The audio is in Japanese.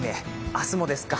明日もですか。